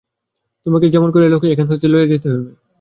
তোমাকে যেমন করিয়া হউক, এখান হইতে লইয়া যাইতেই হইবে।